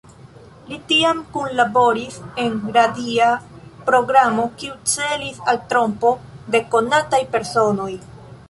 Li tiam kunlaboris en radia programo, kiu celis al trompo de konataj personoj.